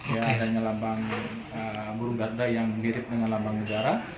ya adanya lambang burung garda yang mirip dengan lambang negara